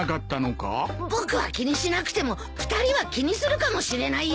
僕は気にしなくても２人は気にするかもしれないよ！